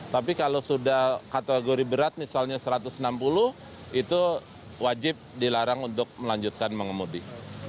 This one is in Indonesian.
tapi kalau sudah kategori berat misalnya satu ratus enam puluh itu wajib dilarang untuk melanjutkan mengemudi